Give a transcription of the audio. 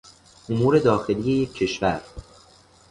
امور داخلی یک کشور